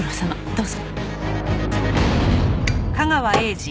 どうぞ。